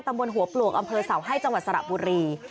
บนหัวปลวกอำเภอเสาให้จังหวัดสระบุรี